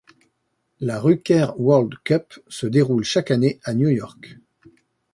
La Ruker World Cup se déroule chaque année à New York.